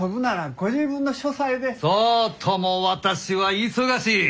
そうとも私は忙しい！